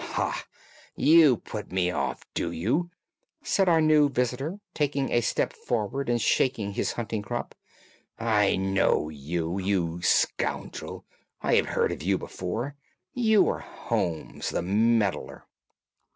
"Ha! You put me off, do you?" said our new visitor, taking a step forward and shaking his hunting crop. "I know you, you scoundrel! I have heard of you before. You are Holmes, the meddler."